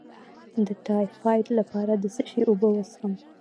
د ټایفایډ لپاره د څه شي اوبه وڅښم؟